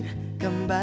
kami akan mencoba